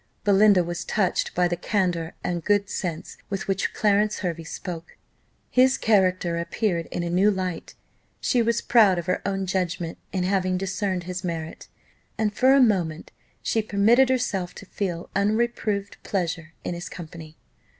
Belinda was touched by the candour and good sense with which Clarence Hervey spoke. His character appeared in a new light: she was proud of her own judgment, in having discerned his merit, and for a moment she permitted herself to feel "unreproved pleasure in his company."